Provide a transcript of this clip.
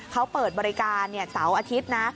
เขาเปิดบริการเสาร์อาทิตย์นะ